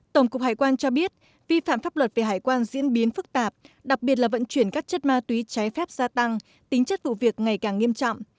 tổng cục hải quan cho biết vi phạm pháp luật về hải quan diễn biến phức tạp đặc biệt là vận chuyển các chất ma túy trái phép gia tăng tính chất vụ việc ngày càng nghiêm trọng